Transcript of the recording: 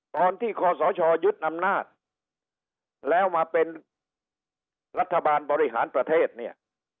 ตอนที่คอสอชอยุทธ์อำนาจแล้วมาเป็นรัฐบาลบริหารประเทศเนี่ย